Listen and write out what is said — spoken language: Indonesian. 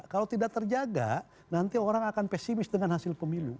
kalau tidak terjaga nanti orang akan pesimis dengan hasil pemilu